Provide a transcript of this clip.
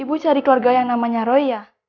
ibu cari keluarga yang namanya roy ya